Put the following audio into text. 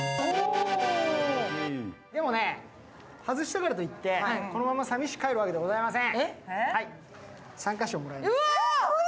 でもね、外したからといってこのままさみしく帰るわけではありません。